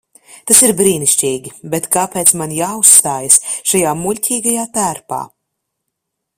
Tas ir brīnišķīgi, bet kāpēc man jāuzstājas šajā muļķīgajā tērpā?